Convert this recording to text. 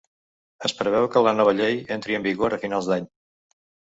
Es preveu que la nova llei entri en vigor a finals d’any.